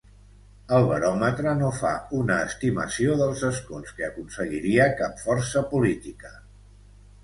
El baròmetre no fa una estimació dels escons que aconseguiria cap força política.